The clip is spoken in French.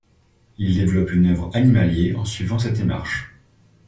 Il développe une œuvre animalier en suivant cette démarche.